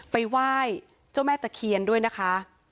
ไปไหว้เจ้าแม่ตะเคียนด้วยนะคะ